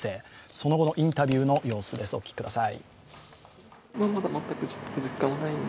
その後のインタビューの様子です、お聞きください。